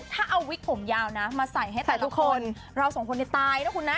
ถ้าเอาวิกผมยาวนะมาใส่ให้แต่ทุกคนเราสองคนจะตายนะคุณนะ